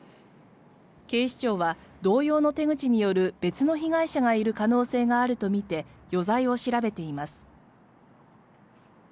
警視庁は同様の手口による別の被害者がいる可能性があるとみて余罪を調べています。